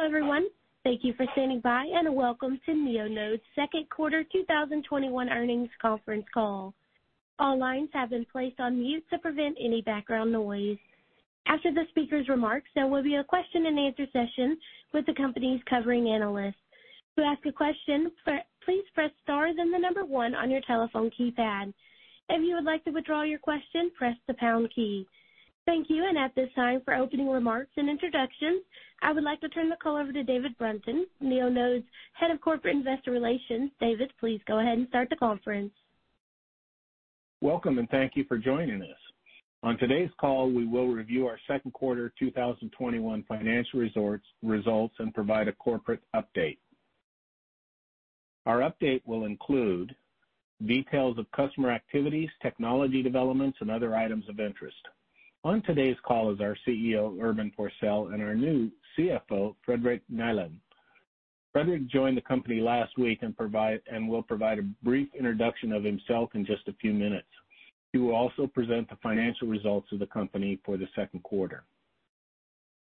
Hello, everyone. Thank you for standing by, and welcome to Neonode's second quarter 2021 earnings conference call. All lines have been placed on mute to prevent any background noise. After the speaker's remarks, there will be a question and answer session with the company's covering analysts. To ask a question, please press star then the number one on your telephone keypad. If you would like to withdraw your question, press the pound key. Thank you, and at this time for opening remarks and introductions, I would like to turn the call over to David Brunton, Neonode's Head of Corporate Investor Relations. David, please go ahead and start the conference. Welcome, and thank you for joining us. On today's call, we will review our second quarter 2021 financial results, and provide a corporate update. Our update will include details of customer activities, technology developments, and other items of interest. On today's call is our CEO, Urban Forssell, and our new CFO, Fredrik Nihlén. Fredrik joined the company last week and will provide a brief introduction of himself in just a few minutes. He will also present the financial results of the company for the second quarter.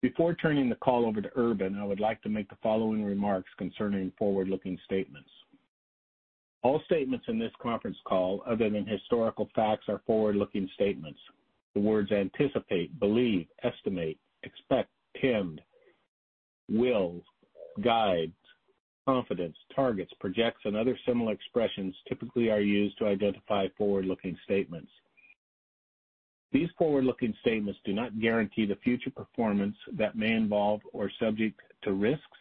Before turning the call over to Urban, I would like to make the following remarks concerning forward-looking statements. All statements in this conference call, other than historical facts, are forward-looking statements. The words anticipate, believe, estimate, expect, intend, will, guide, confidence, targets, projects, and other similar expressions typically are used to identify forward-looking statements. These forward-looking statements do not guarantee the future performance that may involve or subject to risks,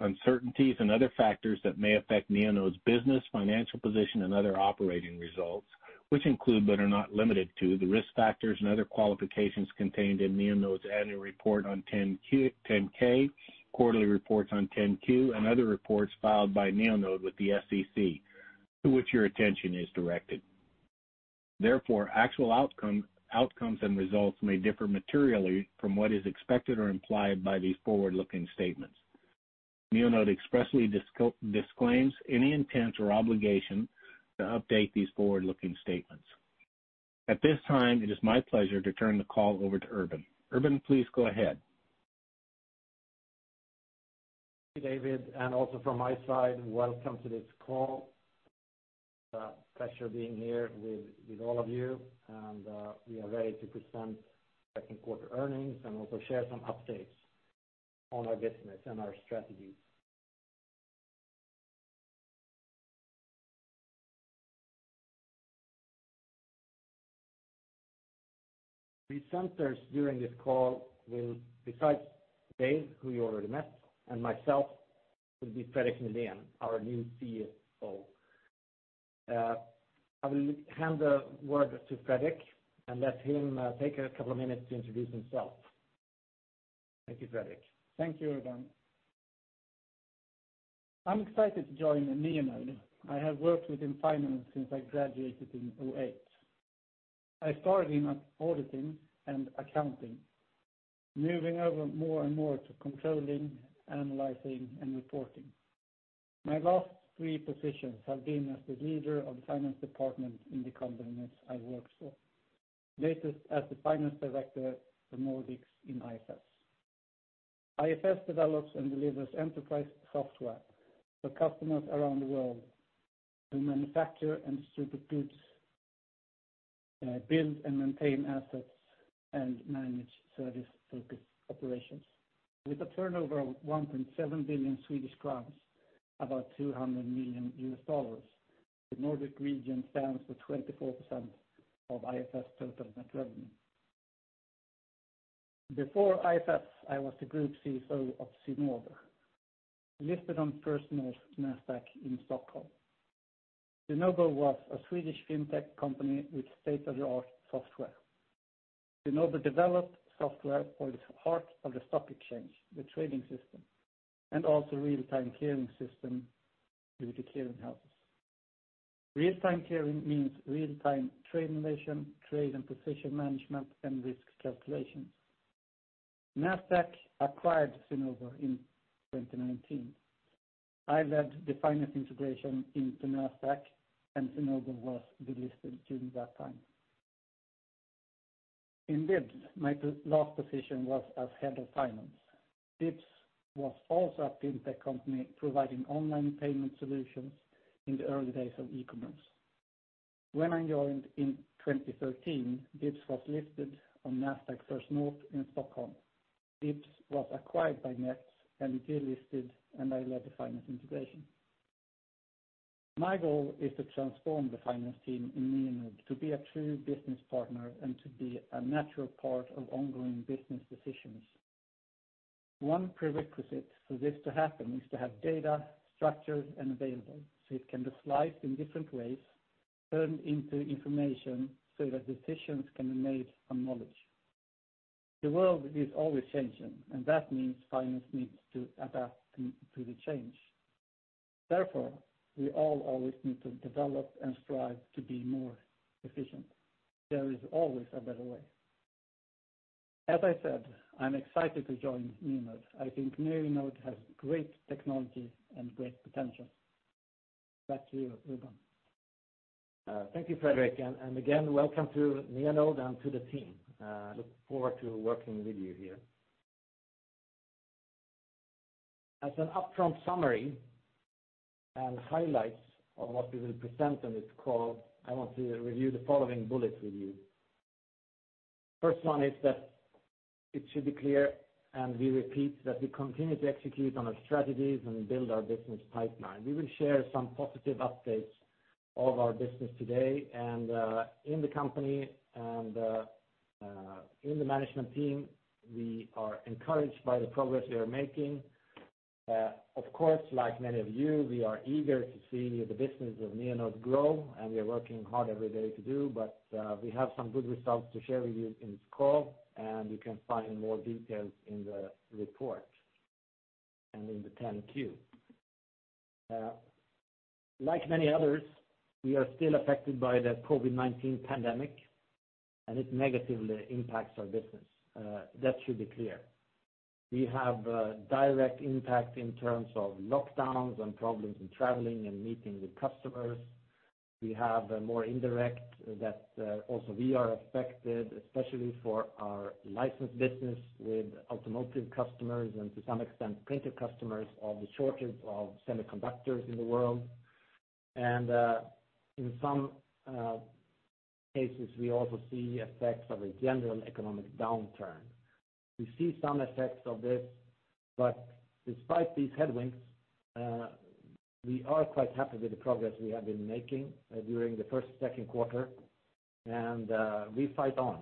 uncertainties, and other factors that may affect Neonode's business, financial position, and other operating results, which include but are not limited to the risk factors and other qualifications contained in Neonode's annual report on 10-K, quarterly reports on 10-Q, and other reports filed by Neonode with the SEC, to which your attention is directed. Therefore, actual outcomes and results may differ materially from what is expected or implied by these forward-looking statements. Neonode expressly disclaims any intent or obligation to update these forward-looking statements. At this time, it is my pleasure to turn the call over to Urban. Urban, please go ahead. Thank you, David, and also from my side, welcome to this call. It's a pleasure being here with all of you, and we are ready to present second quarter earnings and also share some updates on our business and our strategies. The centers during this call will, besides Dave who you already met, and myself, will be Fredrik Nihlén, our new CFO. I will hand the word to Fredrik and let him take a couple of minutes to introduce himself. Thank you, Fredrik. Thank you, Urban. I'm excited to join Neonode. I have worked within finance since I graduated in 2008. I started in auditing and accounting, moving over more and more to controlling, analyzing, and reporting. My last three positions have been as the leader of the finance department in the companies I worked for, latest as the Finance Director for Nordics in IFS. IFS develops and delivers enterprise software for customers around the world who manufacture and distribute goods, build and maintain assets, and manage service-focused operations. With a turnover of 1.7 billion Swedish crowns, about $200 million, the Nordic region stands for 24% of IFS total net revenue. Before IFS, I was the Group CFO of Cinnober, listed on First North Nasdaq in Stockholm. Cinnober was a Swedish fintech company with state-of-the-art software. Cinnober developed software for the heart of the stock exchange, the trading system, and also real-time clearing system due to clearing houses. Real-time clearing means real-time trade novation, trade and position management, and risk calculations. Nasdaq acquired Cinnober in 2019. I led the finance integration into Nasdaq, and Cinnober was delisted during that time. In DIBS, my last position was as head of finance. DIBS was also a fintech company providing online payment solutions in the early days of e-commerce. When I joined in 2013, DIBS was listed on Nasdaq First North in Stockholm. DIBS was acquired by Nets and delisted, and I led the finance integration. My goal is to transform the finance team in Neonode to be a true business partner and to be a natural part of ongoing business decisions. One prerequisite for this to happen is to have data structured and available so it can be sliced in different ways, turned into information so that decisions can be made on knowledge. The world is always changing, and that means finance needs to adapt to the change. Therefore, we all always need to develop and strive to be more efficient. There is always a better way. As I said, I am excited to join Neonode. I think Neonode has great technology and great potential. Back to you, Urban. Thank you, Fredrik. Again, welcome to Neonode and to the team. Look forward to working with you here. As an upfront summary and highlights of what we will present on this call, I want to review the following bullets with you. First one is that it should be clear, and we repeat, that we continue to execute on our strategies and build our business pipeline. We will share some positive updates of our business today. In the company, and in the management team, we are encouraged by the progress we are making. Of course, like many of you, we are eager to see the business of Neonode grow, and we are working hard every day to do, but we have some good results to share with you in this call, and you can find more details in the report and in the 10-Q. Like many others, we are still affected by the COVID-19 pandemic. It negatively impacts our business. That should be clear. We have direct impact in terms of lockdowns and problems in traveling and meeting with customers. We have a more indirect that also we are affected, especially for our license business with automotive customers and to some extent, printer customers of the shortage of semiconductors in the world. In some cases, we also see effects of a general economic downturn. We see some effects of this, despite these headwinds, we are quite happy with the progress we have been making during the first, second quarter. We fight on.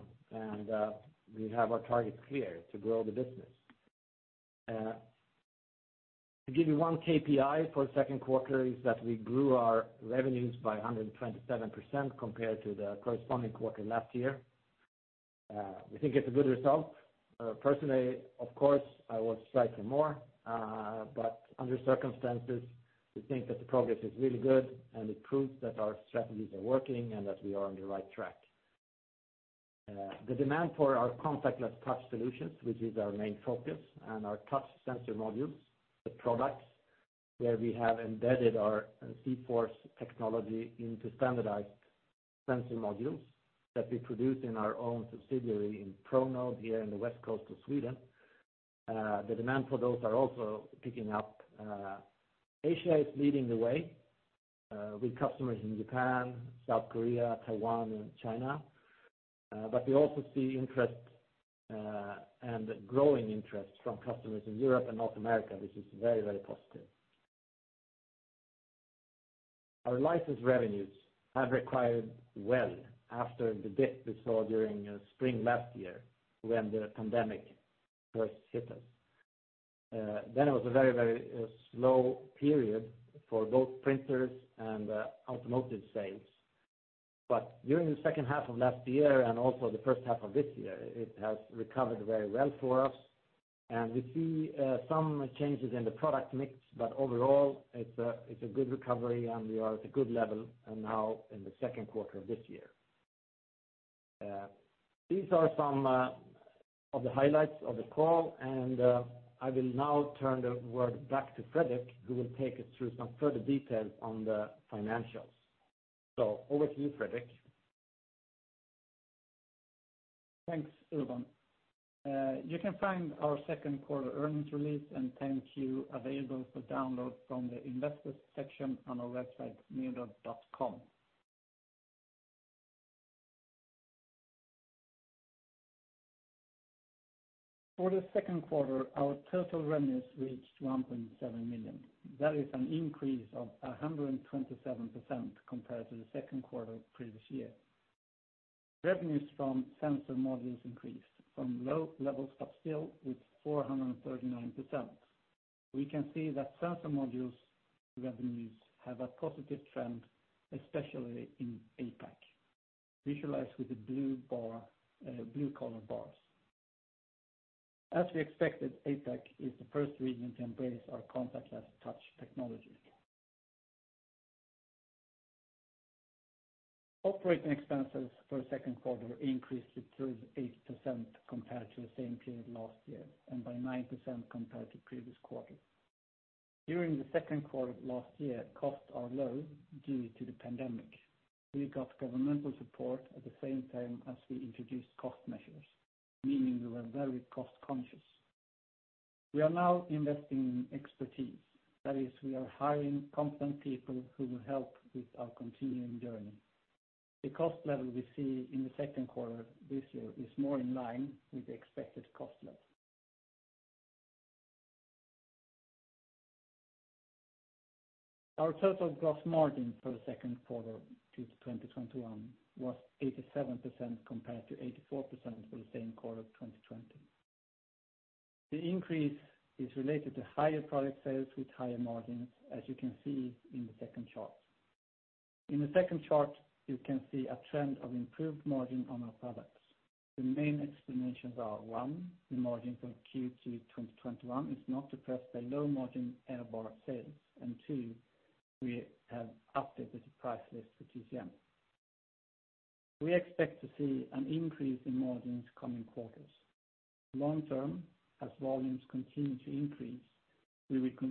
We have our target clear, to grow the business. To give you one KPI for the second quarter is that we grew our revenues by 127% compared to the corresponding quarter last year. We think it's a good result. Personally, of course, I was striking more, but under circumstances, we think that the progress is really good, and it proves that our strategies are working and that we are on the right track. The demand for our contactless touch solutions, which is our main focus, and our touch sensor modules, the products where we have embedded our zForce technology into standardized sensor modules that we produce in our own subsidiary in Pronode here in the west coast of Sweden, the demand for those are also picking up. Asia is leading the way, with customers in Japan, South Korea, Taiwan, and China. We also see interest, and growing interest from customers in Europe and North America, which is very positive. Our license revenues have recovered well after the dip we saw during spring last year when the pandemic first hit us. It was a very slow period for both printers and automotive sales. During the second half of last year and also the first half of this year, it has recovered very well for us. We see some changes in the product mix, but overall, it's a good recovery, and we are at a good level now in the second quarter of this year. These are some of the highlights of the call, and I will now turn the word back to Fredrik, who will take us through some further details on the financials. Over to you, Fredrik. Thanks, Urban. You can find our second quarter earnings release and 10-Q available for download from the Investors section on our website, neonode.com. For the second quarter, our total revenues reached 1.7 million. That is an increase of 127% compared to the second quarter previous year. Revenues from sensor modules increased from low levels but still with 439%. We can see that sensor modules revenues have a positive trend, especially in APAC, visualized with the blue color bars. As we expected, APAC is the first region to embrace our contactless touch technology. Operating expenses for the second quarter increased to 38% compared to the same period last year, and by 9% compared to previous quarter. During the second quarter of last year, costs are low due to the pandemic. We got governmental support at the same time as we introduced cost measures, meaning we were very cost conscious. We are now investing in expertise. That is, we are hiring competent people who will help with our continuing journey. The cost level we see in the second quarter this year is more in line with the expected cost level. Our total gross margin for the second quarter Q2 2021 was 87% compared to 84% for the same quarter of 2020. The increase is related to higher product sales with higher margins, as you can see in the second chart. In the second chart, you can see a trend of improved margin on our products. The main explanations are, one, the margin for Q2 2021 is not depressed by low margin AirBar sales. Two, we have updated the price list for TSM. We expect to see an increase in margins coming quarters. Long term, as volumes continue to increase, we will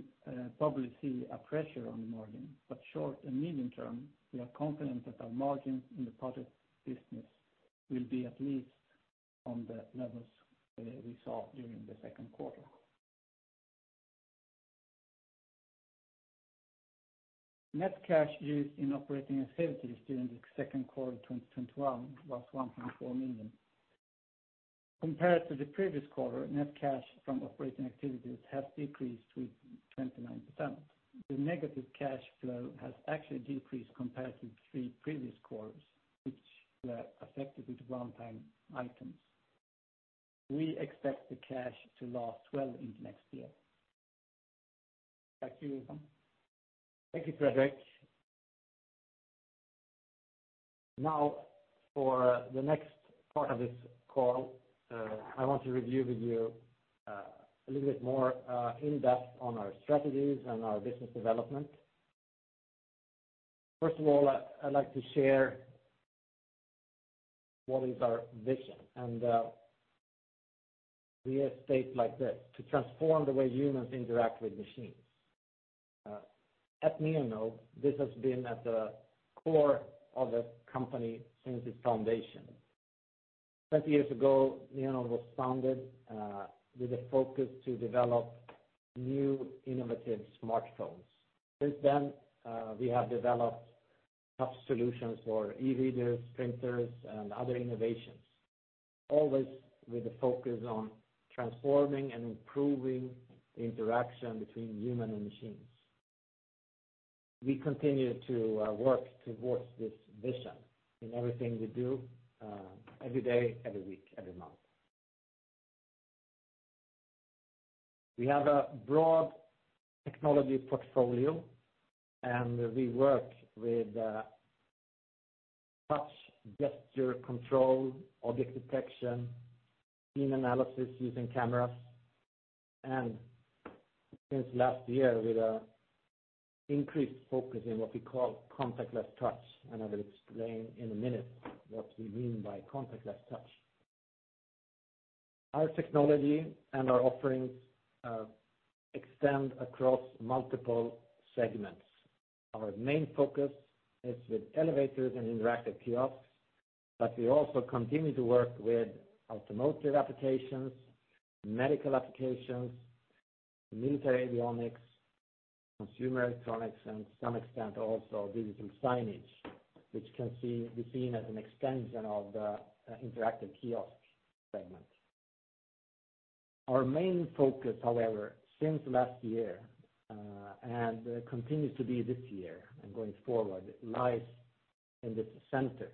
probably see a pressure on the margin, but short and medium term, we are confident that our margin in the project business will be at least on the levels we saw during the second quarter. Net cash used in operating activities during the second quarter of 2021 was $1.4 million. Compared to the previous quarter, net cash from operating activities has decreased to 29%. The negative cash flow has actually decreased compared to the three previous quarters, which were affected with one-time items. We expect the cash to last well into next year. Back to you, Urban. Thank you, Fredrik. For the next part of this call, I want to review with you a little bit more in-depth on our strategies and our business development. First of all, I'd like to share what is our vision, and we state like this: to transform the way humans interact with machines. At Neonode, this has been at the core of the company since its foundation. 20 years ago, Neonode was founded with a focus to develop new, innovative smartphones. Since then, we have developed touch solutions for e-readers, printers, and other innovations, always with a focus on transforming and improving the interaction between human and machines. We continue to work towards this vision in everything we do, every day, every week, every month. We have a broad technology portfolio, and we work with touch, gesture control, object detection, scene analysis using cameras, and since last year, with increased focus in what we call contactless touch, and I will explain in a minute what we mean by contactless touch. Our technology and our offerings extend across multiple segments. Our main focus is with elevators and interactive kiosks, but we also continue to work with automotive applications, medical applications, military avionics, consumer electronics, and to some extent, also digital signage, which can be seen as an extension of the interactive kiosk segment. Our main focus, however, since last year, and continues to be this year and going forward, lies in this center,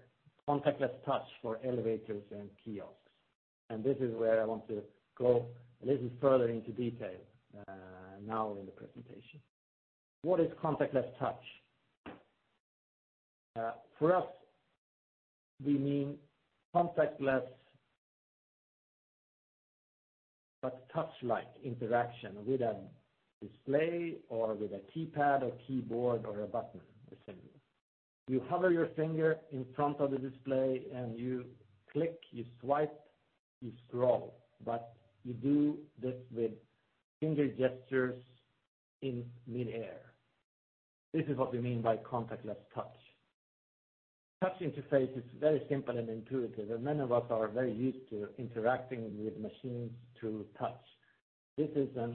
contactless touch for elevators and kiosks. This is where I want to go a little further into detail now in the presentation. What is contactless touch? For us, we mean contactless, but touch-like interaction with a display or with a keypad or keyboard or a button assembly. You hover your finger in front of the display, you click, you swipe, you scroll, but you do this with finger gestures in mid-air. This is what we mean by contactless touch. Touch interface is very simple and intuitive, many of us are very used to interacting with machines through touch. This is a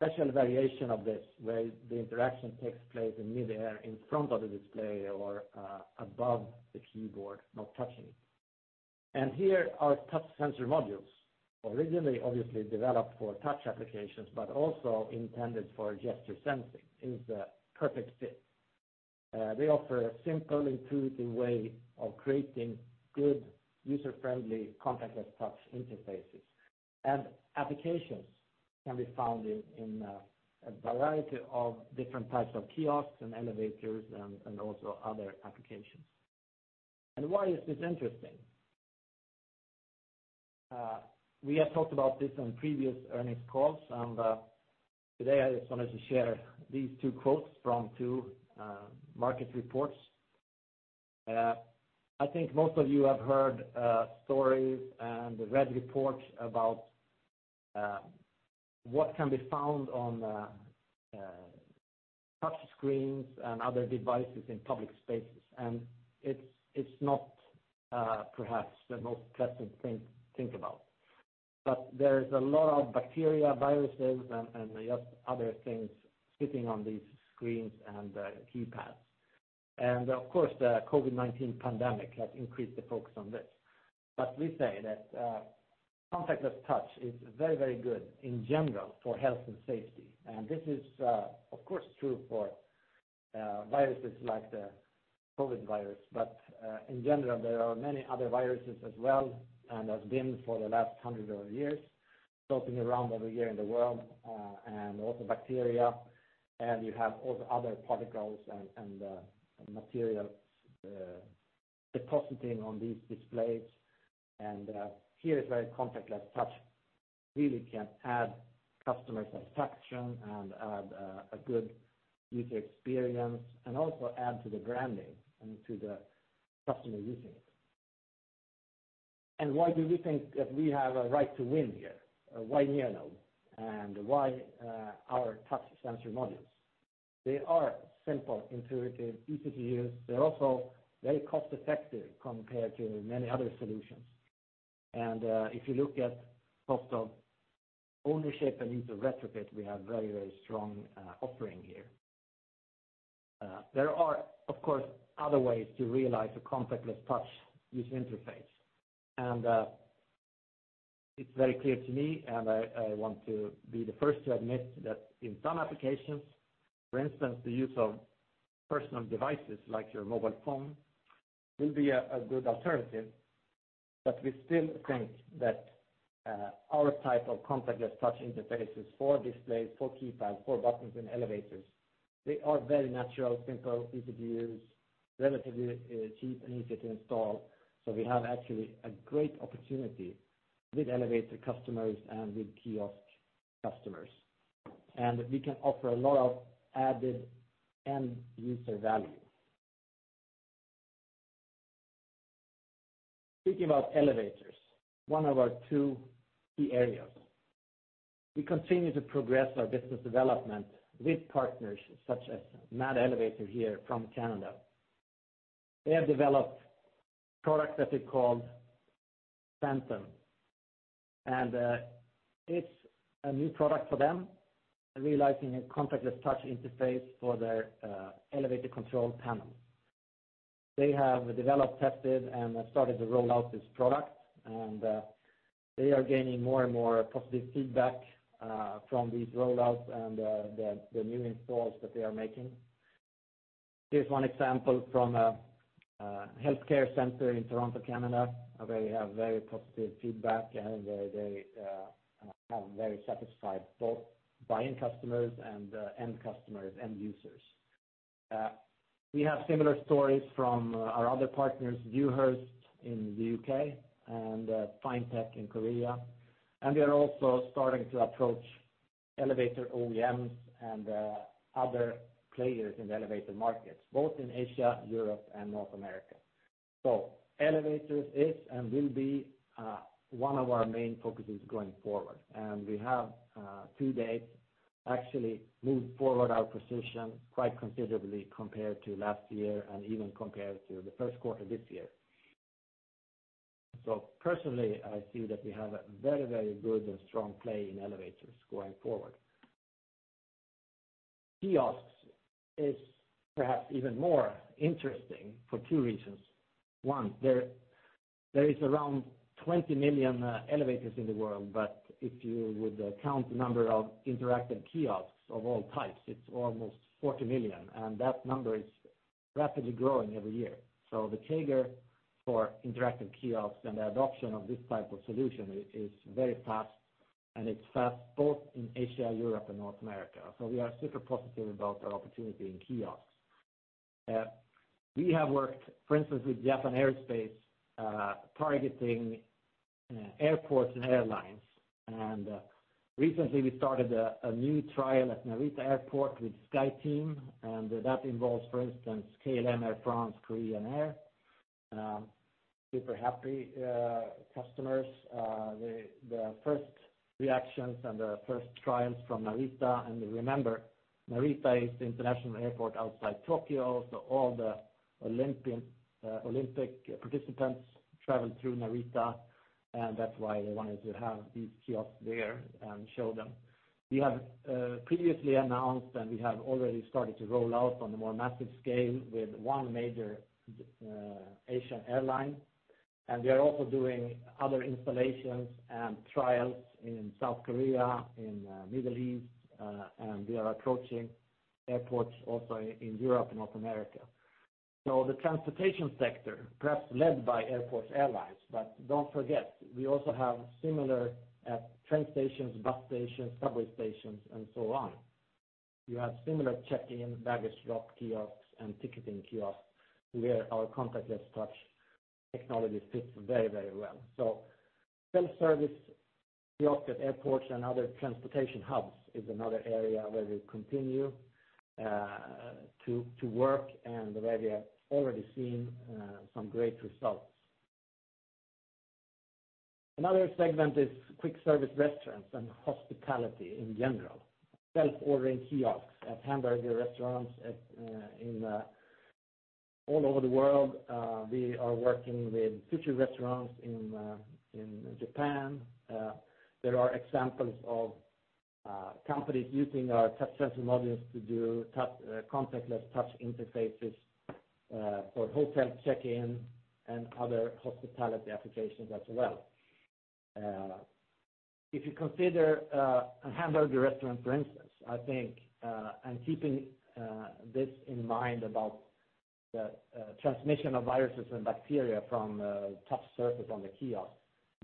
special variation of this, where the interaction takes place in mid-air in front of the display or above the keyboard, not touching. Here are touch sensor modules. Originally, obviously, developed for touch applications, but also intended for gesture sensing. It is the perfect fit. They offer a simple, intuitive way of creating good, user-friendly, contactless touch interfaces. Applications can be found in a variety of different types of kiosks and elevators and also other applications. Why is this interesting? We have talked about this on previous earnings calls, today I just wanted to share these two quotes from two market reports. I think most of you have heard stories and read reports about what can be found on touch screens and other devices in public spaces. It's not perhaps the most pleasant thing to think about. There is a lot of bacteria, viruses, and just other things sitting on these screens and keypads. Of course, the COVID-19 pandemic has increased the focus on this. We say that contactless touch is very good in general for health and safety. This is, of course, true for viruses like the COVID virus. In general, there are many other viruses as well, and have been for the last hundreds of years, floating around every year in the world, and also bacteria. You have all the other particles and materials depositing on these displays. Here is where contactless touch really can add customer satisfaction and add a good user experience, and also add to the branding and to the customer using it. Why do we think that we have a right to win here? Why Neonode, and why our touch sensor modules? They are simple, intuitive, easy to use. They're also very cost-effective compared to many other solutions. If you look at cost of ownership and into retrofit, we have very strong offering here. There are, of course, other ways to realize a contactless touch user interface. It's very clear to me, and I want to be the first to admit that in some applications, for instance, the use of personal devices like your mobile phone, will be a good alternative, but we still think that our type of contactless touch interfaces for displays, for keypads, for buttons in elevators, they are very natural, simple, easy to use, relatively cheap and easy to install. We have actually a great opportunity with elevator customers and with kiosk customers. We can offer a lot of added end user value. Speaking about elevators, one of our two key areas. We continue to progress our business development with partners such as MAD Elevator here from Canada. They have developed a product that they called PHANTOM. It's a new product for them, realizing a contactless touch interface for their elevator control panel. They have developed, tested, and started to roll out this product, and they are gaining more and more positive feedback from these rollouts and the new installs that they are making. Here's one example from a healthcare center in Toronto, Canada, where we have very positive feedback and where they have very satisfied both buying customers and end customers, end users. We have similar stories from our other partners, Dewhurst in the U.K. and Finetek in Korea. We are also starting to approach elevator OEMs and other players in the elevator markets, both in Asia, Europe, and North America. Elevators is and will be one of our main focuses going forward. We have to date actually moved forward our position quite considerably compared to last year and even compared to the first quarter this year. Personally, I see that we have a very good and strong play in elevators going forward. Kiosks is perhaps even more interesting for two reasons. One, there is around 20 million elevators in the world, but if you would count the number of interactive kiosks of all types, it's almost 40 million, and that number is rapidly growing every year. The CAGR for interactive kiosks and the adoption of this type of solution is very fast, and it's fast both in Asia, Europe, and North America. We are super positive about our opportunity in kiosks. We have worked, for instance, with Japan Aerospace, targeting airports and airlines, and recently we started a new trial at Narita Airport with SkyTeam, and that involves, for instance, KLM, Air France, Korean Air. Super happy customers. The first reactions and the first trials from Narita, and remember, Narita is the international airport outside Tokyo, so all the Olympic participants travel through Narita, and that's why they wanted to have these kiosks there and show them. We have previously announced, we have already started to roll out on a more massive scale with one major Asian airline, and we are also doing other installations and trials in South Korea, in Middle East, and we are approaching airports also in Europe and North America. The transportation sector, perhaps led by airports, airlines, but don't forget, we also have similar at train stations, bus stations, subway stations, and so on. You have similar check-in baggage drop kiosks and ticketing kiosks where our contactless touch technology fits very well. Self-service kiosks at airports and other transportation hubs is another area where we continue to work and where we have already seen some great results. Another segment is quick service restaurants and hospitality in general. Self-ordering kiosks at hamburger restaurants all over the world. We are working with sushi restaurants in Japan. There are examples of companies using our touch sensor modules to do contactless touch interfaces for hotel check-in and other hospitality applications as well. If you consider a hamburger restaurant, for instance, and keeping this in mind about the transmission of viruses and bacteria from a touch surface on the kiosk,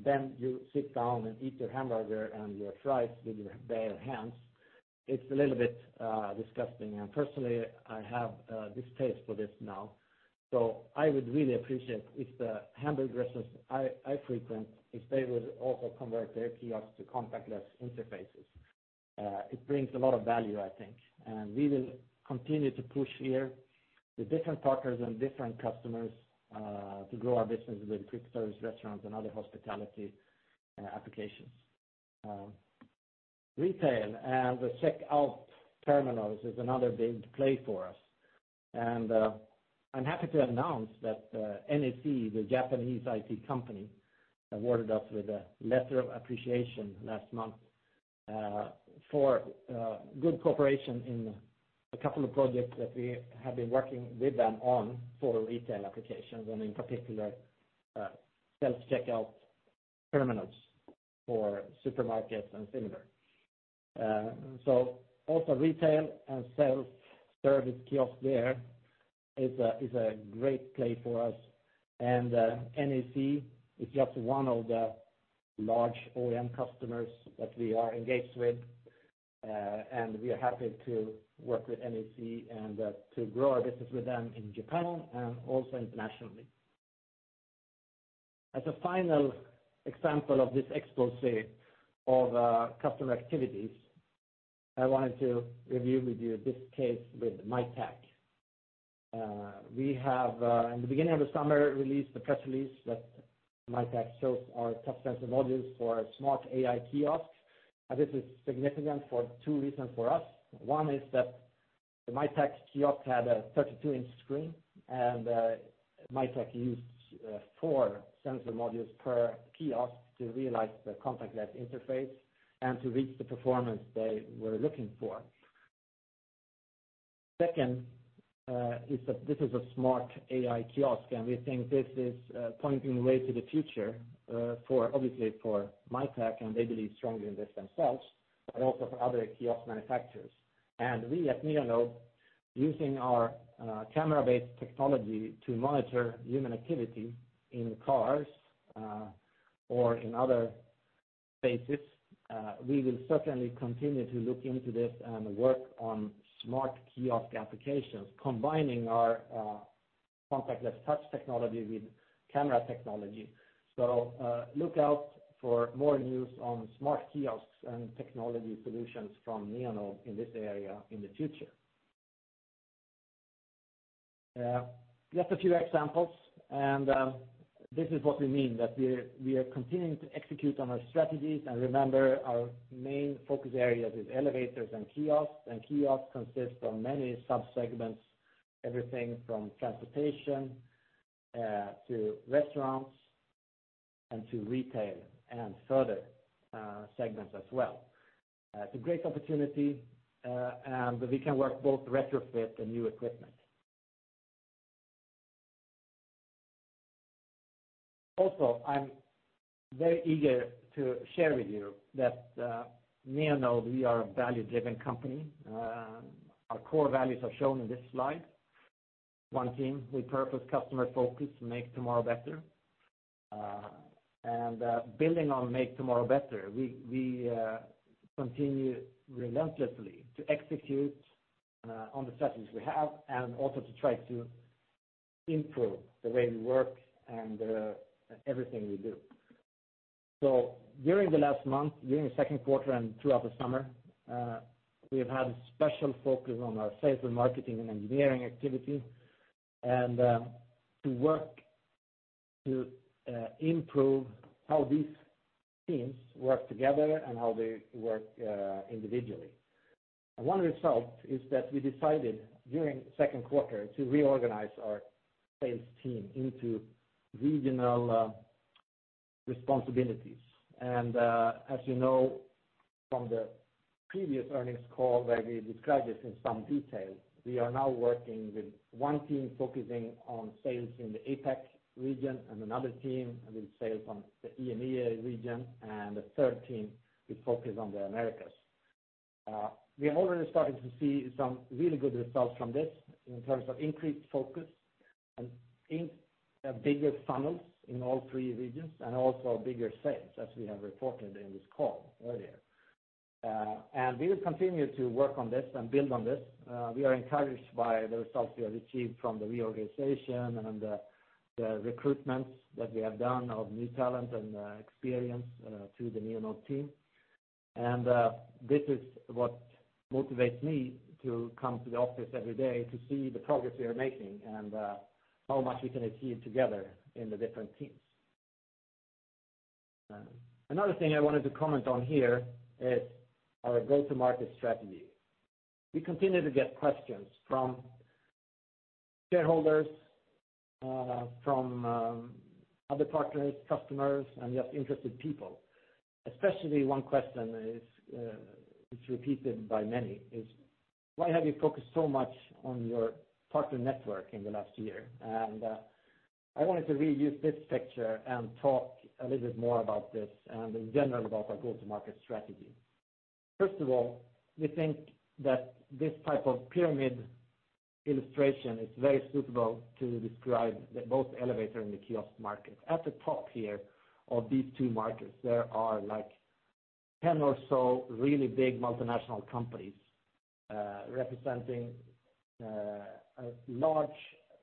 then you sit down and eat your hamburger and your fries with your bare hands. It's a little bit disgusting, and personally, I have a distaste for this now. I would really appreciate if the hamburger restaurants I frequent, if they would also convert their kiosks to contactless interfaces. It brings a lot of value, I think. We will continue to push here with different partners and different customers, to grow our business with quick-service restaurants and other hospitality applications. Retail and the checkout terminals is another big play for us. I am happy to announce that NEC, the Japanese IT company, awarded us with a letter of appreciation last month, for good cooperation in a couple of projects that we have been working with them on for retail applications, and in particular, self-checkout terminals for supermarkets and similar. Also retail and self-service kiosk there is a great play for us and NEC is just one of the large OEM customers that we are engaged with. We are happy to work with NEC and to grow our business with them in Japan and also internationally. As a final example of this exposé of customer activities, I wanted to review with you this case with Mitek. We have, in the beginning of the summer, released the press release that Mitek shows our touch sensor modules for smart AI kiosks. This is significant for two reasons for us. One is that the Mitek kiosk had a 32-inch screen, and Mitek used four sensor modules per kiosk to realize the contactless interface and to reach the performance they were looking for. Second is that this is a smart AI kiosk, and we think this is pointing the way to the future, obviously for Mitek, and they believe strongly in this themselves, but also for other kiosk manufacturers. We at Neonode, using our camera-based technology to monitor human activity in cars, or in other spaces, we will certainly continue to look into this and work on smart kiosk applications, combining our contactless touch technology with camera technology. Look out for more news on smart kiosks and technology solutions from Neonode in this area in the future. Just a few examples, and this is what we mean, that we are continuing to execute on our strategies. Remember, our main focus areas is elevators and kiosks, and kiosks consist of many sub-segments, everything from transportation, to restaurants, and to retail, and further segments as well. It's a great opportunity, and we can work both retrofit and new equipment. Also, I'm very eager to share with you that Neonode, we are a value-driven company. Our core values are shown in this slide. One team with purpose, customer focus, make tomorrow better. Building on make tomorrow better, we continue relentlessly to execute on the strategies we have and also to try to improve the way we work and everything we do. During the last month, during the second quarter, and throughout the summer, we have had a special focus on our sales and marketing and engineering activities, and to work to improve how these teams work together and how they work individually. One result is that we decided during the second quarter to reorganize our sales team into regional responsibilities. As you know from the previous earnings call where we described this in some detail, we are now working with one team focusing on sales in the APAC region and another team with sales on the EMEA region and a third team with focus on the Americas. We are already starting to see some really good results from this in terms of increased focus and bigger funnels in all three regions and also bigger sales, as we have reported in this call earlier. We will continue to work on this and build on this. We are encouraged by the results we have achieved from the reorganization and the recruitments that we have done of new talent and experience to the Neonode team. This is what motivates me to come to the office every day to see the progress we are making and how much we can achieve together in the different teams. Another thing I wanted to comment on here is our go-to-market strategy. We continue to get questions from shareholders, from other partners, customers, and just interested people. Especially one question is repeated by many, is: Why have you focused so much on your partner network in the last year? I wanted to reuse this picture and talk a little bit more about this and in general about our go-to-market strategy. First of all, we think that this type of pyramid illustration is very suitable to describe both the elevator and the kiosk market. At the top here of these two markets, there are 10 or so really big multinational companies representing a large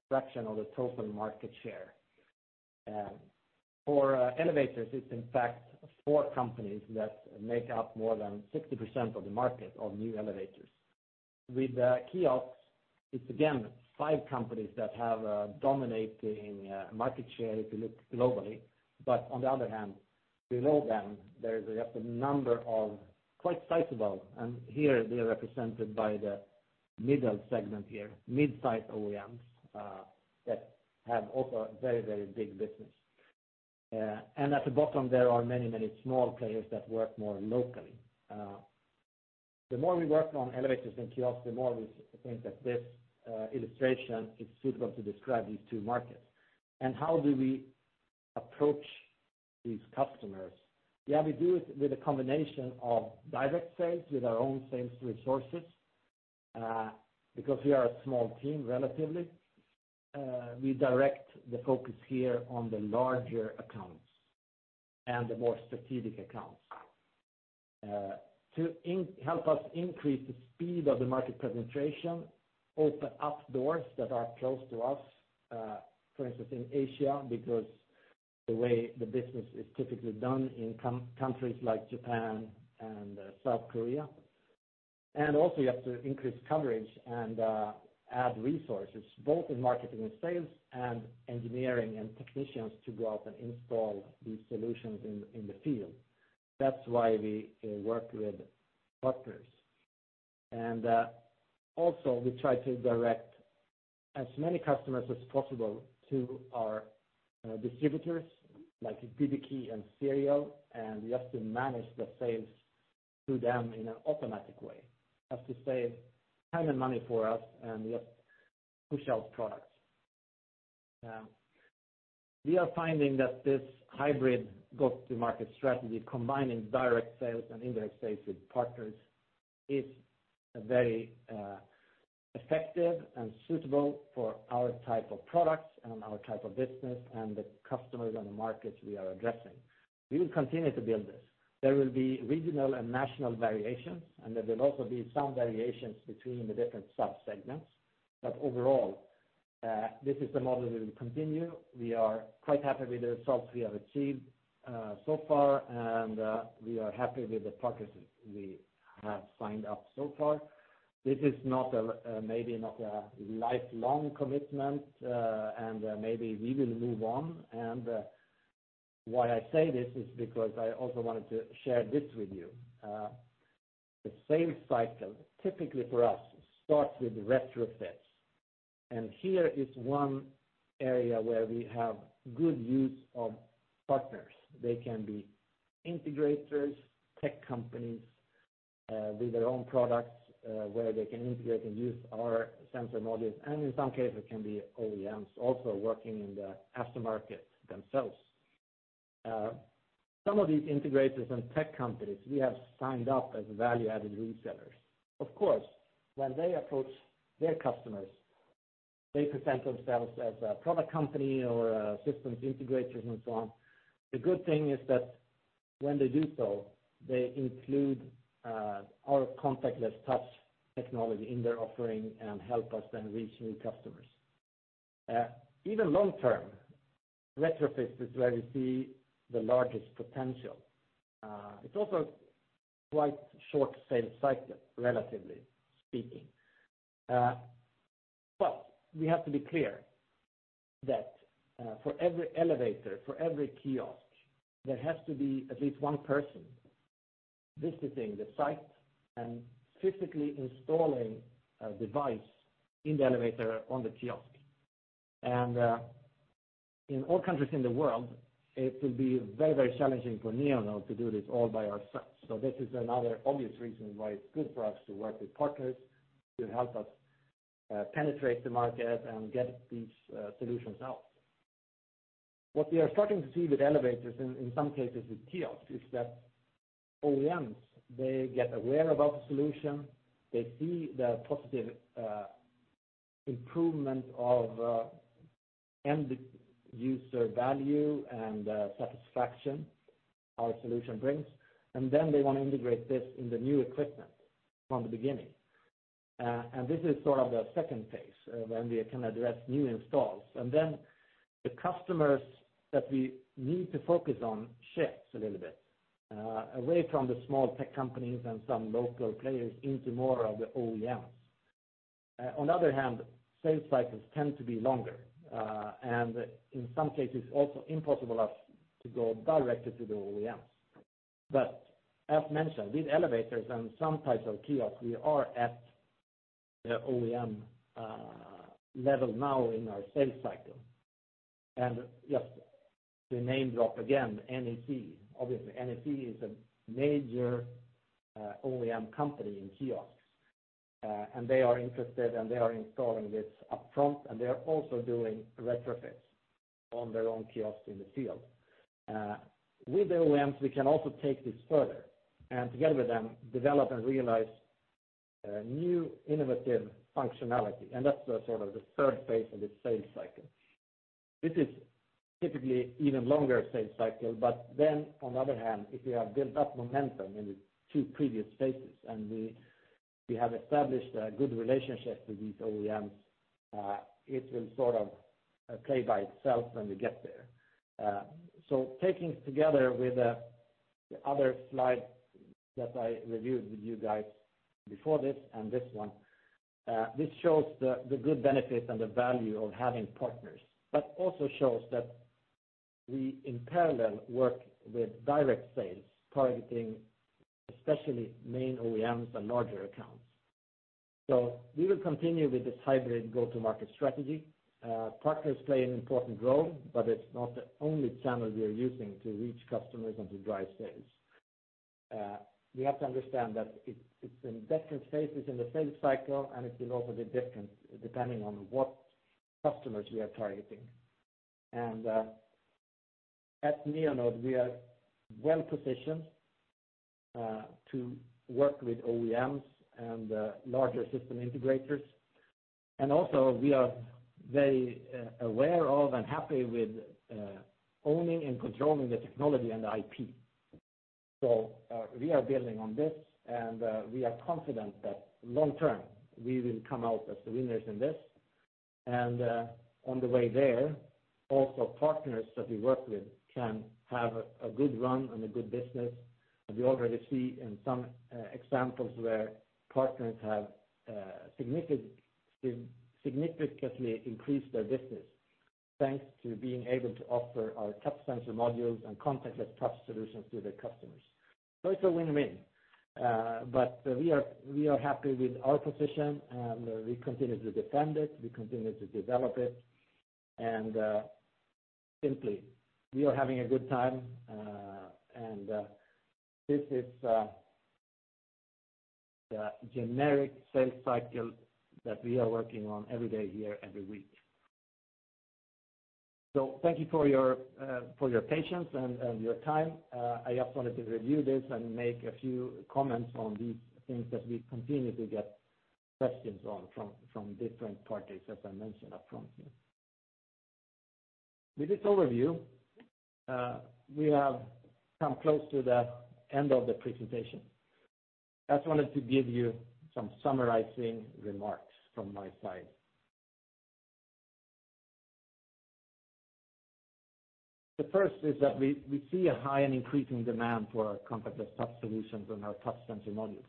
fraction of the total market share. For elevators, it's in fact four companies that make up more than 60% of the market of new elevators. With kiosks, it's again five companies that have a dominating market share if you look globally. On the other hand, below them, there is a number of quite sizable, and here they are represented by the middle segment here, mid-size OEMs, that have also a very big business. At the bottom, there are many small players that work more locally. The more we work on elevators and kiosks, the more we think that this illustration is suitable to describe these two markets. How do we approach these customers? We do it with a combination of direct sales with our own sales resources. Because we are a small team, relatively, we direct the focus here on the larger accounts and the more strategic accounts. To help us increase the speed of the market penetration, open up doors that are closed to us, for instance, in Asia, because the way the business is typically done in countries like Japan and South Korea, and also you have to increase coverage and add resources both in marketing and sales and engineering and technicians to go out and install these solutions in the field. That's why we work with partners. Also we try to direct as many customers as possible to our distributors, like BBK and Serial, and we have to manage the sales through them in an automatic way. We have to save time and money for us, and we have to push out products. We are finding that this hybrid go-to-market strategy, combining direct sales and indirect sales with partners, is very effective and suitable for our type of products and our type of business and the customers and the markets we are addressing. We will continue to build this. There will be regional and national variations, and there will also be some variations between the different sub-segments. Overall, this is the model we will continue. We are quite happy with the results we have achieved so far, and we are happy with the partners we have signed up so far. This is maybe not a lifelong commitment, and maybe we will move on. Why I say this is because I also wanted to share this with you. The sales cycle, typically for us, starts with retrofits, and here is one area where we have good use of partners. They can be integrators, tech companies with their own products, where they can integrate and use our sensor modules, and in some cases, it can be OEMs also working in the aftermarket themselves. Some of these integrators and tech companies, we have signed up as value-added resellers. Of course, when they approach their customers, they present themselves as a product company or a systems integrator and so on. The good thing is that when they do so, they include our contactless touch technology in their offering and help us then reach new customers. Even long-term, retrofits is where we see the largest potential. It's also quite short sales cycle, relatively speaking. We have to be clear that for every elevator, for every kiosk, there has to be at least one person visiting the site and physically installing a device in the elevator or on the kiosk. In all countries in the world, it will be very challenging for Neonode to do this all by ourselves. This is another obvious reason why it is good for us to work with partners to help us penetrate the market and get these solutions out. What we are starting to see with elevators, and in some cases with kiosks, is that OEMs, they get aware about the solution. They see the positive improvement of end user value and satisfaction our solution brings, then they want to integrate this in the new equipment from the beginning. This is sort of the second phase when we can address new installs. The customers that we need to focus on shifts a little bit away from the small tech companies and some local players into more of the OEMs. On the other hand, sales cycles tend to be longer, and in some cases, also impossible as to go directly to the OEMs. As mentioned, with elevators and some types of kiosks, we are at the OEM level now in our sales cycle. Just to name drop again, NEC. Obviously, NEC is a major OEM company in kiosks, they are interested, they are installing this up front, and they are also doing retrofits on their own kiosk in the field. With OEMs, we can also take this further, together with them, develop and realize new innovative functionality. That's the third phase of the sales cycle. This is typically an even longer sales cycle, but then on the other hand, if you have built up momentum in the two previous phases, and we have established a good relationship with these OEMs, it will sort of play by itself when we get there. Taking together with the other slide that I reviewed with you guys before this and this one, this shows the good benefits and the value of having partners, but also shows that we, in parallel, work with direct sales targeting especially main OEMs and larger accounts. We will continue with this hybrid go-to-market strategy. Partners play an important role, but it's not the only channel we are using to reach customers and to drive sales. We have to understand that it's in different phases in the sales cycle, and it will also be different depending on what customers we are targeting. At Neonode, we are well-positioned to work with OEMs and larger system integrators. Also, we are very aware of and happy with owning and controlling the technology and the IP. We are building on this, and we are confident that long-term, we will come out as the winners in this. On the way there, also partners that we work with can have a good run and a good business. We already see in some examples where partners have significantly increased their business, thanks to being able to offer our touch sensor modules and contactless touch solutions to their customers. It's a win-win. We are happy with our position, and we continue to defend it, we continue to develop it, and simply, we are having a good time, and this is the generic sales cycle that we are working on every day here, every week. Thank you for your patience and your time. I just wanted to review this and make a few comments on these things that we continue to get questions on from different parties, as I mentioned up front here. With this overview, we have come close to the end of the presentation. I just wanted to give you some summarizing remarks from my side. The first is that we see a high and increasing demand for our contactless touch solutions and our touch sensor modules.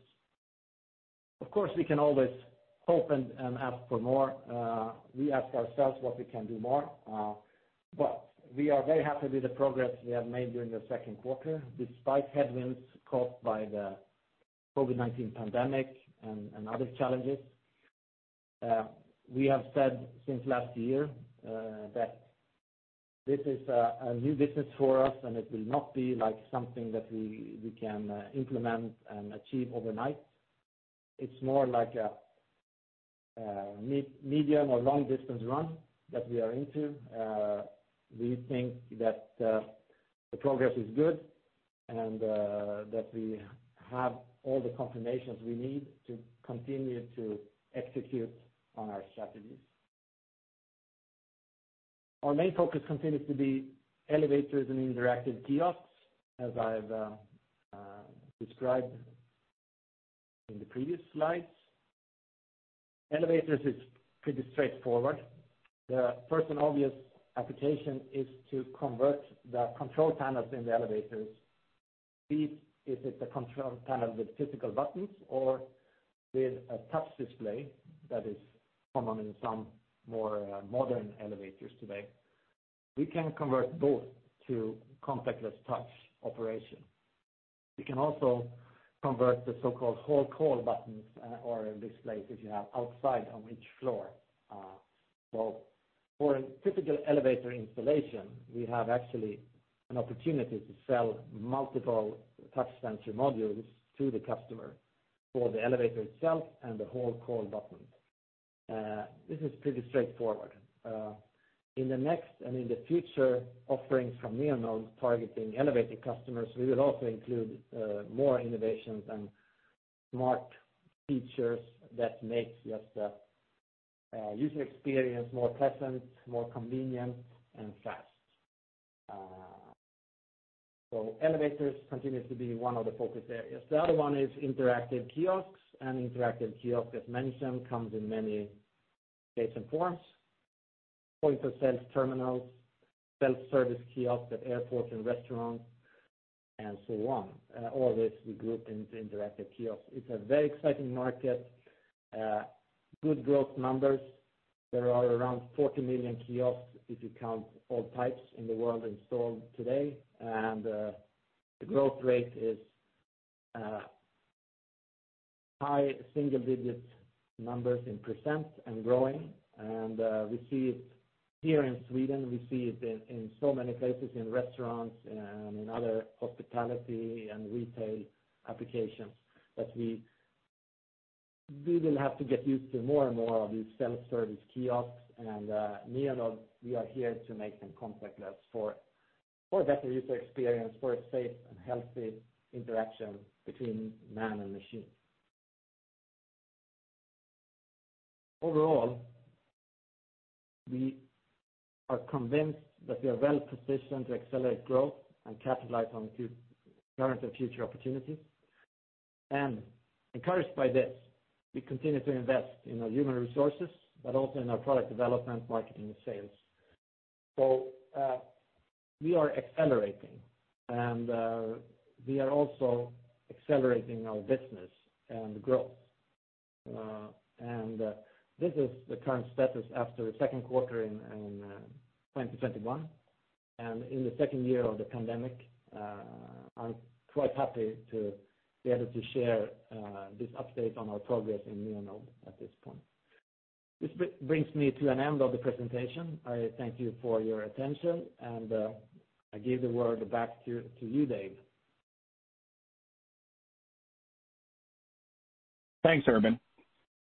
Of course, we can always hope and ask for more. We ask ourselves what we can do more, but we are very happy with the progress we have made during the second quarter, despite headwinds caused by the COVID-19 pandemic and other challenges. We have said since last year that this is a new business for us, and it will not be like something that we can implement and achieve overnight. It's more like a medium or long-distance run that we are into. We think that the progress is good and that we have all the confirmations we need to continue to execute on our strategies. Our main focus continues to be elevators and interactive kiosks, as I've described in the previous slides. Elevators is pretty straightforward. The first and obvious application is to convert the control panels in the elevators, be it the control panel with physical buttons or with a touch display that is common in some more modern elevators today. We can convert both to contactless touch operation. We can also convert the so-called hall call buttons or displays that you have outside on each floor. For a typical elevator installation, we have actually an opportunity to sell multiple touch sensor modules to the customer for the elevator itself and the hall call button. This is pretty straightforward. In the next and in the future offerings from Neonode targeting elevator customers, we will also include more innovations and smart features that make just a user experience more pleasant, more convenient, and fast. Elevators continue to be one of the focus areas. The other one is interactive kiosks, and interactive kiosks, as mentioned, comes in many shapes and forms. Point-of-sale terminals, self-service kiosks at airports and restaurants, and so on. All this we group into interactive kiosks. It's a very exciting market. Good growth numbers. There are around 40 million kiosks, if you count all types in the world installed today. The growth rate is high single-digit numbers in percent and growing. Here in Sweden, we see it in so many places, in restaurants and in other hospitality and retail applications that we will have to get used to more and more of these self-service kiosks, and at Neonode, we are here to make them contactless for a better user experience, for a safe and healthy interaction between man and machine. Overall, we are convinced that we are well-positioned to accelerate growth and capitalize on current and future opportunities. Encouraged by this, we continue to invest in our human resources, but also in our product development, marketing, and sales. We are accelerating, and we are also accelerating our business and growth. This is the current status after the second quarter in 2021, and in the second year of the pandemic. I'm quite happy to be able to share this update on our progress in Neonode at this point. This brings me to an end of the presentation. I thank you for your attention. I give the word back to you, Dave. Thanks, Urban.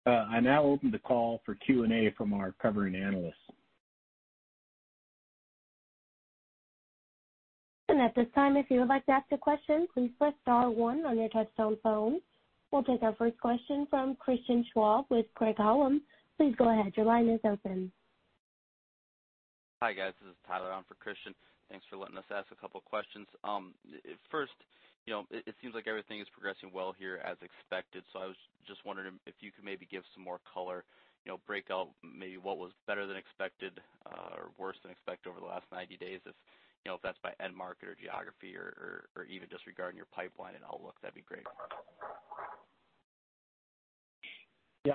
I now open the call for Q&A from our covering analysts. At this time, if you would like to ask a question, please press star one on your touch-tone phone. We'll take our first question from Christian Schwab with Craig-Hallum. Please go ahead. Your line is open. Hi, guys. This is Tyler on for Christian. Thanks for letting us ask a couple of questions. First, it seems like everything is progressing well here as expected, so I was just wondering if you could maybe give some more color, break out maybe what was better than expected or worse than expected over the last 90 days, if that's by end market or geography or even just regarding your pipeline and outlook, that'd be great. Yeah.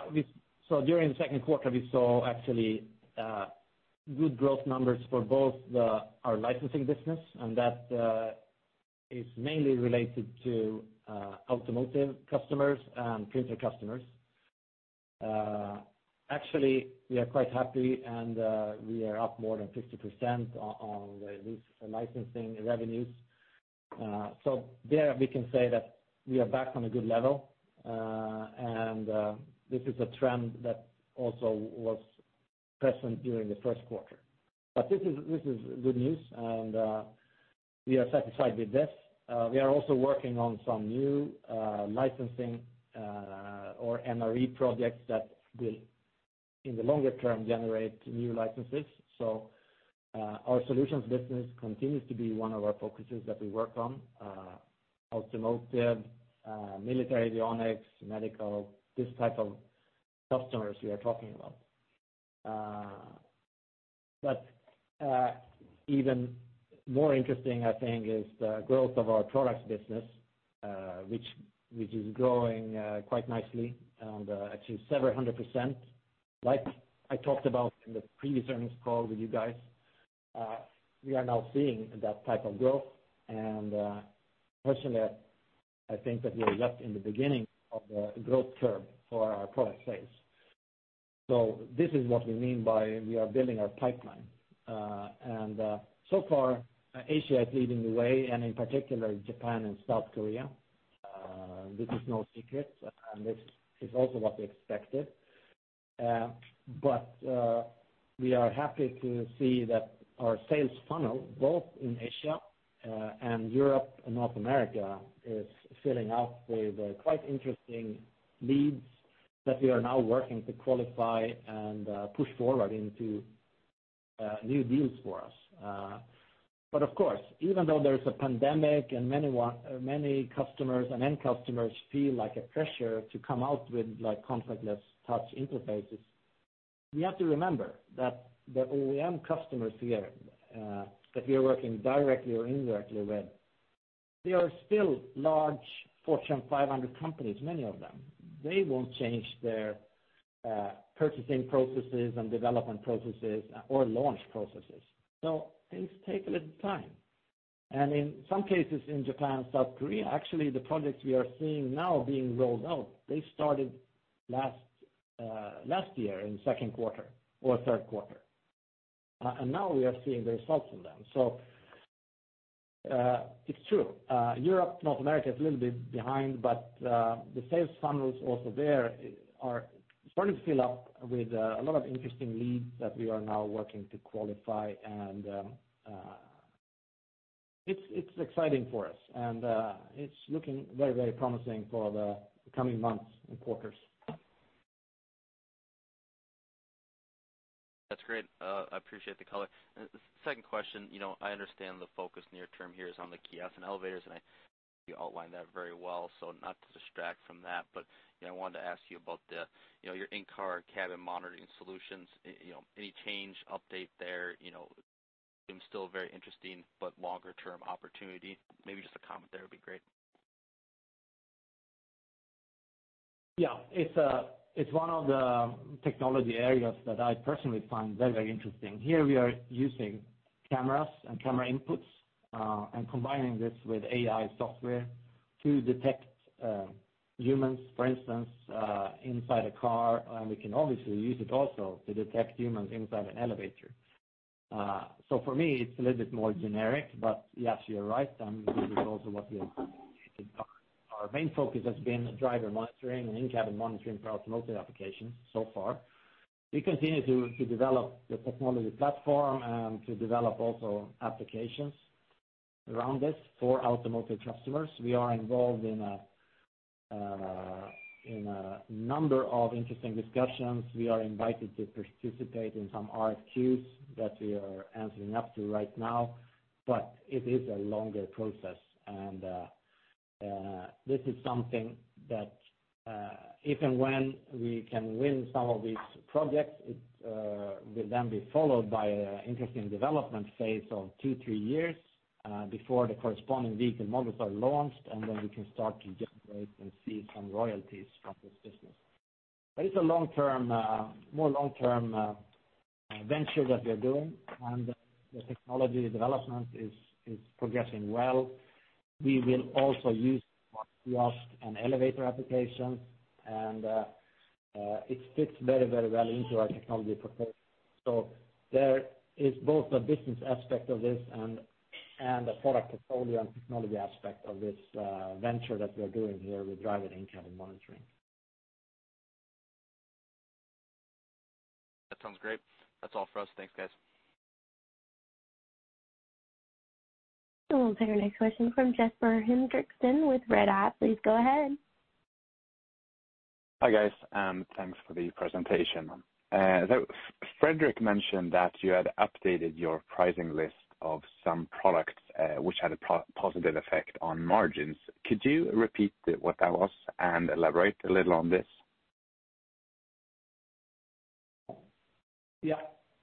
During the second quarter, we saw actually good growth numbers for both our licensing business, and that is mainly related to automotive customers and printer customers. Actually, we are quite happy, and we are up more than 50% on these licensing revenues. There we can say that we are back on a good level, and this is a trend that also was present during the first quarter. This is good news, and we are satisfied with this. We are also working on some new licensing or NRE projects that will, in the longer term, generate new licenses. Our solutions business continues to be one of our focuses that we work on. Automotive, military avionics, medical, this type of customers we are talking about. Even more interesting, I think, is the growth of our products business, which is growing quite nicely and actually several 100%. Like I talked about in the previous earnings call with you guys, we are now seeing that type of growth. Personally, I think that we are just in the beginning of the growth curve for our product sales. This is what we mean by we are building our pipeline. So far, Asia is leading the way, and in particular, Japan and South Korea. This is no secret, and this is also what we expected. We are happy to see that our sales funnel, both in Asia and Europe and North America, is filling up with quite interesting leads that we are now working to qualify and push forward into new deals for us. Of course, even though there's a pandemic and many customers and end customers feel a pressure to come out with contactless touch interfaces, we have to remember that the OEM customers here that we are working directly or indirectly with, they are still large Fortune 500 companies, many of them. They won't change their purchasing processes and development processes or launch processes. Things take a little time. In some cases in Japan and South Korea, actually, the projects we are seeing now being rolled out, they started last year in second quarter or third quarter. Now we are seeing the results from them. It's true. Europe, North America is a little bit behind. The sales funnels also there are starting to fill up with a lot of interesting leads that we are now working to qualify, and it's exciting for us. It's looking very promising for the coming months and quarters. That's great. I appreciate the color. Second question. I understand the focus near term here is on the kiosks and elevators, and you outlined that very well, so not to distract from that. I wanted to ask you about your in-car cabin monitoring solutions. Any change, update there? Seems still very interesting, but longer-term opportunity. Maybe just a comment there would be great. Yes. It is one of the technology areas that I personally find very interesting. Here we are using cameras and camera inputs and combining this with AI software to detect humans, for instance, inside a car, and we can obviously use it also to detect humans inside an elevator. For me, it is a little bit more generic. Yes, you are right, and this is also what we have communicated. Our main focus has been driver monitoring and in-cabin monitoring for automotive applications so far. We continue to develop the technology platform and to develop also applications around this for automotive customers. We are involved in a number of interesting discussions. We are invited to participate in some RFQs that we are answering up to right now, but it is a longer process. This is something that if and when we can win some of these projects, it will then be followed by an interesting development phase of two, three years before the corresponding vehicle models are launched, and then we can start to generate and see some royalties from this business. It's a more long-term venture that we are doing, and the technology development is progressing well. We will also use it for kiosk and elevator applications, and it fits very well into our technology portfolio. There is both a business aspect of this and a product portfolio and technology aspect of this venture that we are doing here with driver and in-cabin monitoring. That sounds great. That's all for us. Thanks, guys. We'll take our next question from Jesper Henrikson with Redeye. Please go ahead. Hi, guys. Thanks for the presentation. Fredrik mentioned that you had updated your pricing list of some products, which had a positive effect on margins. Could you repeat what that was and elaborate a little on this?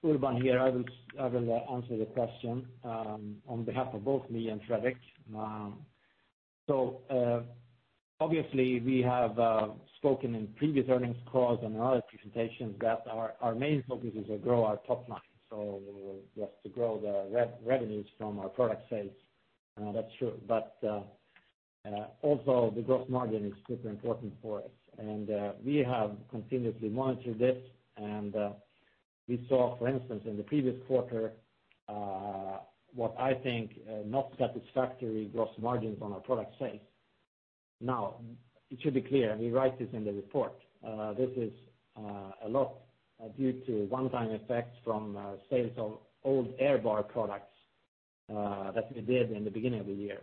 Urban here. I will answer the question on behalf of both me and Fredrik. Obviously, we have spoken in previous earnings calls and our presentations that our main focus is to grow our top line, that's to grow the revenues from our product sales. That's true. Also the gross margin is super important for us, and we have continuously monitored this. We saw, for instance, in the previous quarter, what I think, not satisfactory gross margins on our product sales. It should be clear, and we write this in the report, this is a lot due to one-time effects from sales of old AirBar products that we did in the beginning of the year.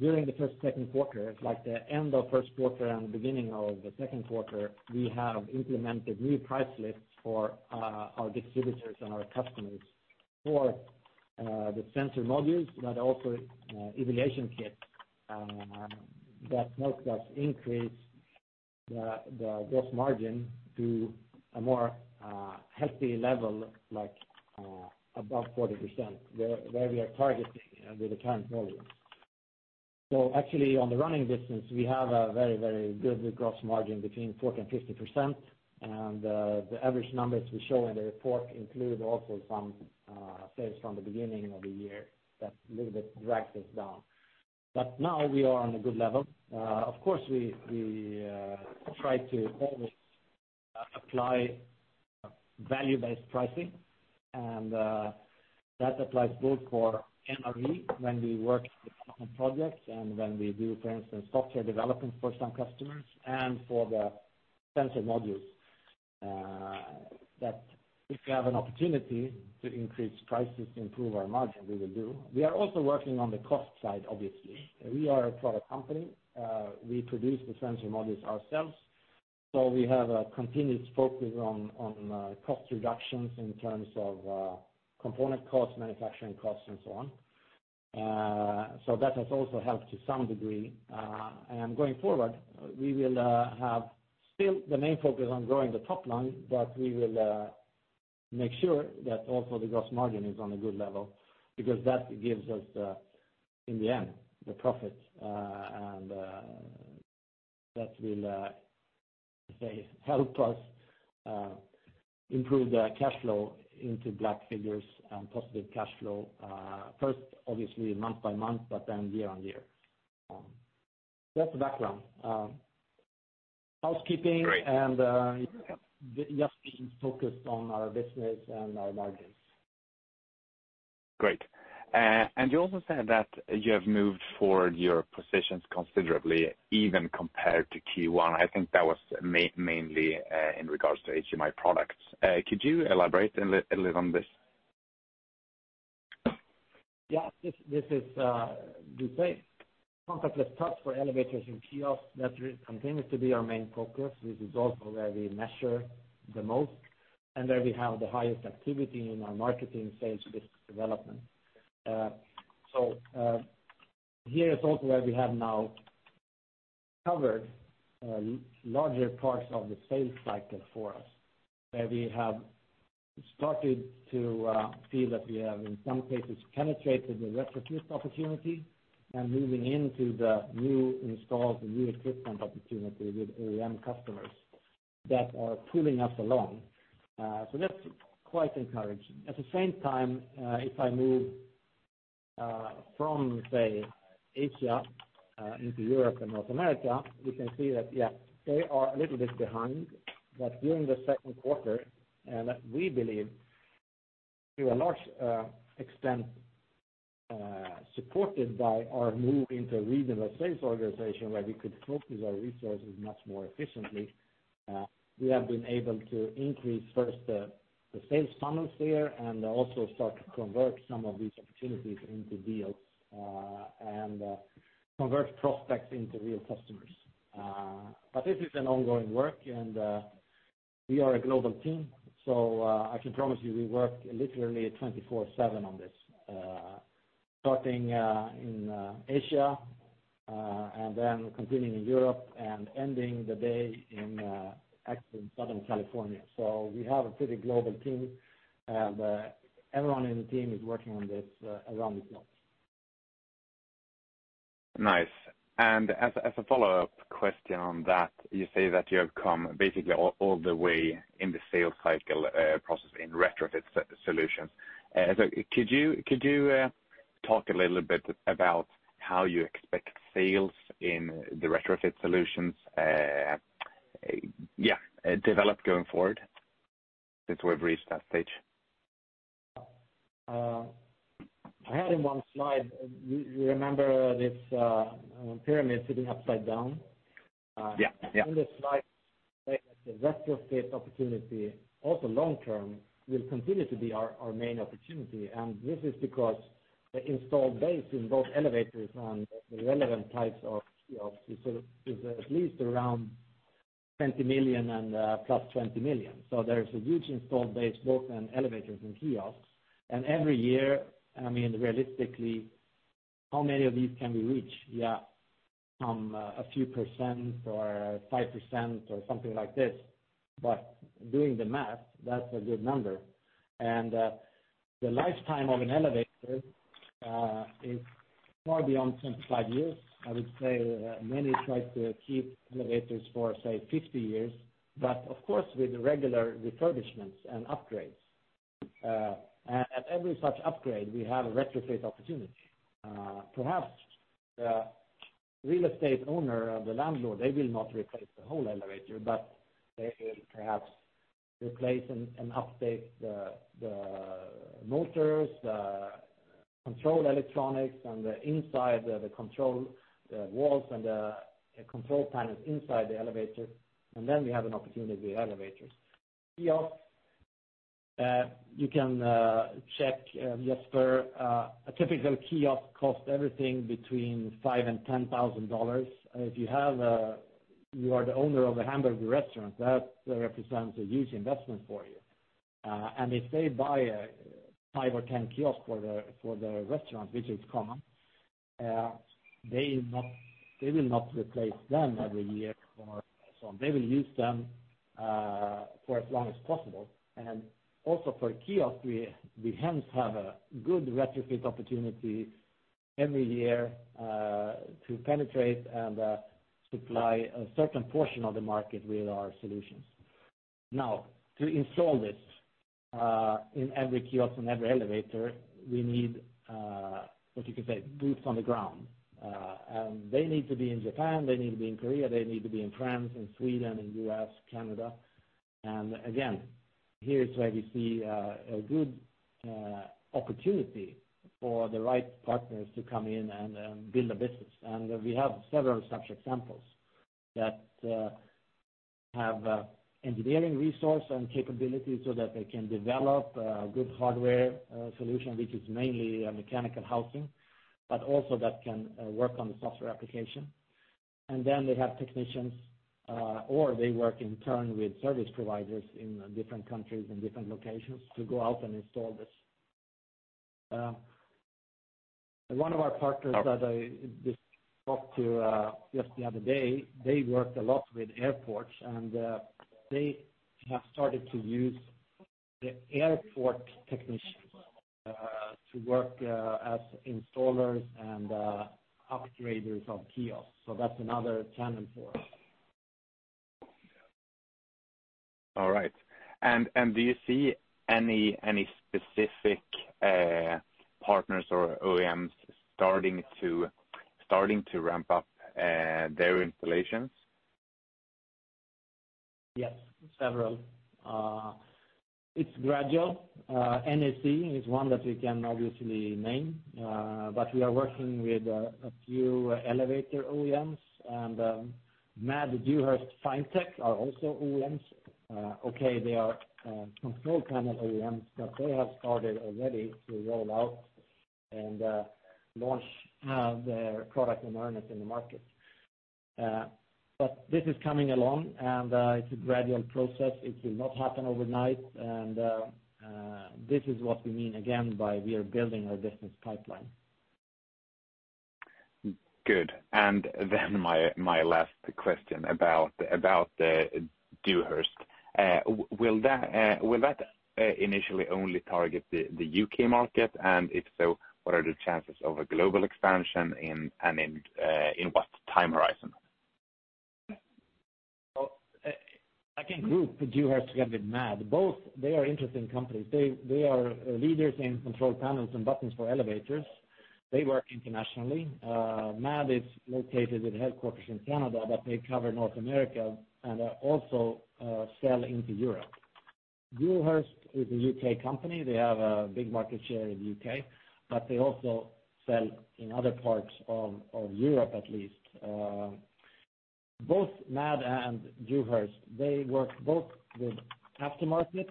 During the first, second quarter, like the end of first quarter and the beginning of the second quarter, we have implemented new price lists for our distributors and our customers for the sensor modules, but also evaluation kits that helped us increase the gross margin to a more healthy level, above 40%, where we are targeting with the current volume. Actually on the running business, we have a very good gross margin between 40% and 50%, and the average numbers we show in the report include also some sales from the beginning of the year that a little bit dragged us down. Now we are on a good level. Of course, we try to always apply value-based pricing, and that applies both for NRE when we work with custom projects and when we do, for instance, software development for some customers and for the sensor modules, that if we have an opportunity to increase prices to improve our margin, we will do. We are also working on the cost side, obviously. We are a product company. We produce the sensor modules ourselves, so we have a continuous focus on cost reductions in terms of component costs, manufacturing costs, and so on. That has also helped to some degree. Going forward, we will have still the main focus on growing the top line, but we will make sure that also the gross margin is on a good level because that gives us, in the end, the profits, and that will help us improve the cash flow into black figures and positive cash flow, first obviously month by month, but then year-on-year. That's the background. Just being focused on our business and our margins. Great. You also said that you have moved forward your positions considerably even compared to Q1. I think that was mainly in regards to HMI products. Could you elaborate a little on this? This is Dusain. Contactless touch for elevators and kiosks, that continues to be our main focus. This is also where we measure the most and where we have the highest activity in our marketing stage business development. Here is also where we have now covered larger parts of the sales cycle for us, where we have started to feel that we have, in some cases, penetrated the retrofit opportunity and moving into the new installs and new equipment opportunity with OEM customers that are pulling us along. That's quite encouraging. At the same time, if I move from, say, Asia into Europe and North America, we can see that, yes, they are a little bit behind. During the second quarter, and we believe to a large extent supported by our move into a regional sales organization where we could focus our resources much more efficiently, we have been able to increase first the sales funnels there and also start to convert some of these opportunities into deals, and convert prospects into real customers. This is an ongoing work, and we are a global team, so I can promise you we work literally 24/7 on this. Starting in Asia, continuing in Europe and ending the day in Southern California. We have a pretty global team, but everyone in the team is working on this around the clock. Nice. As a follow-up question on that, you say that you have come basically all the way in the sales cycle process in retrofit solutions. Could you talk a little bit about how you expect sales in the retrofit solutions to develop going forward since we've reached that stage? I had in one slide, you remember this pyramid sitting upside down? Yeah. In this slide, the retrofit opportunity, also long-term, will continue to be our main opportunity. This is because the installed base in both elevators and the relevant types of kiosks is at least around 20 million and +20 million. There is a huge installed base both on elevators and kiosks. Every year, realistically, how many of these can we reach? From a few percent or 5% or something like this. Doing the math, that's a good number. The lifetime of an elevator is far beyond 25 years. I would say many try to keep elevators for, say, 50 years, but of course, with regular refurbishments and upgrades. At every such upgrade, we have a retrofit opportunity. Perhaps the real estate owner or the landlord, they will not replace the whole elevator, but they will perhaps replace and update the motors, the control electronics, and the inside the control walls and the control panels inside the elevator. Then we have an opportunity with elevators. Kiosks, you can check, Jesper. A typical kiosk costs everything $5,000-$10,000. If you are the owner of a hamburger restaurant, that represents a huge investment for you. If they buy five or 10 kiosks for the restaurant, which is common, they will not replace them every year or so. They will use them for as long as possible. Also for kiosks, we hence have a good retrofit opportunity every year to penetrate and supply a certain portion of the market with our solutions. To install this in every kiosk and every elevator, we need what you can say, boots on the ground. They need to be in Japan, they need to be in Korea, they need to be in France, in Sweden, in U.S., Canada. Again, here is where we see a good opportunity for the right partners to come in and build a business. We have several such examples that have engineering resource and capabilities so that they can develop a good hardware solution, which is mainly a mechanical housing, but also that can work on the software application. Then they have technicians, or they work in turn with service providers in different countries and different locations to go out and install this. One of our partners that I just talked to just the other day, they worked a lot with airports, and they have started to use the airport technicians to work as installers and upgraders of kiosks. That's another channel for us. All right. Do you see any specific partners or OEMs starting to ramp up their installations? Yes. Several. It's gradual. NEC is one that we can obviously name, but we are working with a few elevator OEMs, and MAD, Dewhurst, Finetek are also OEMs. Okay, they are control panel OEMs, but they have started already to roll out and launch their product in earnest in the market. This is coming along, and it's a gradual process. It will not happen overnight. This is what we mean again by we are building our business pipeline. Good. My last question about Dewhurst. Will that initially only target the U.K. market? If so, what are the chances of a global expansion, and in what time horizon? Second group, Dewhurst together with MAD. Both, they are interesting companies. They are leaders in control panels and buttons for elevators. They work internationally. MAD is located with headquarters in Canada, but they cover North America and also sell into Europe. Dewhurst is a U.K. company. They have a big market share in the U.K., but they also sell in other parts of Europe, at least. Both MAD and Dewhurst, they work both with aftermarket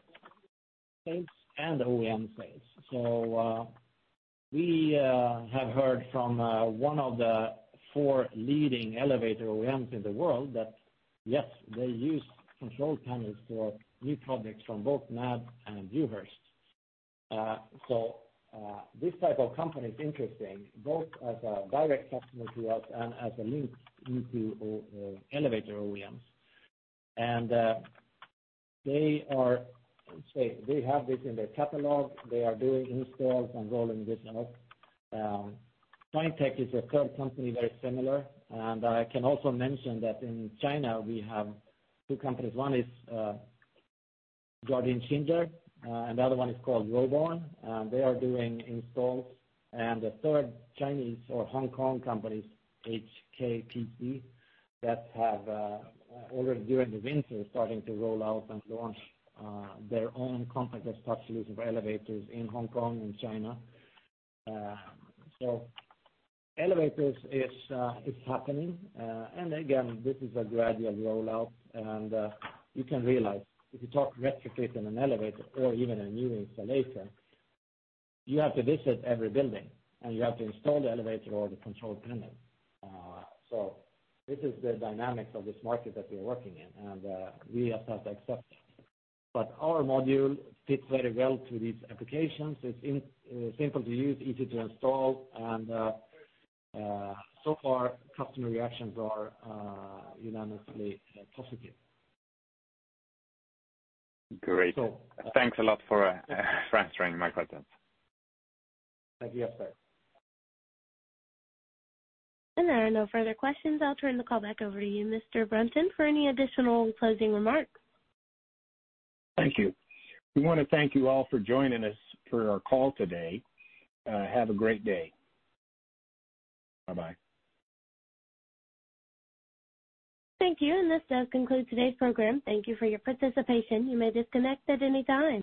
sales and OEM sales. We have heard from one of the four leading elevator OEMs in the world that, yes, they use control panels for new projects from both MAD and Dewhurst. This type of company is interesting, both as a direct customer to us and as a link into elevator OEMs. They have this in their catalog. They are doing installs and rolling this out. Finetek is a third company, very similar. I can also mention that in China, we have two companies. One is Guangdong Xinger, and the other one is called Yobon, and they are doing installs. The third Chinese or Hong Kong company is HKTC, that have already, during the winter, starting to roll out and launch their own complete touchless elevators in Hong Kong and China. Elevators is happening. Again, this is a gradual rollout. You can realize if you talk retrofitting an elevator or even a new installation, you have to visit every building, and you have to install the elevator or the control panel. This is the dynamics of this market that we're working in, and we have had to accept it. Our module fits very well to these applications. It's simple to use, easy to install, and so far, customer reactions are unanimously positive. Great. So- Thanks a lot for answering my questions. Thank you. Yes, sir. There are no further questions. I'll turn the call back over to you, Mr. Brunton, for any additional closing remarks. Thank you. We want to thank you all for joining us for our call today. Have a great day. Bye-bye. Thank you. This does conclude today's program. Thank you for your participation. You may disconnect at any time.